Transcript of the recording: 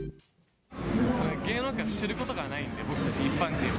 芸能界を知ることがないんで、僕たち一般人は。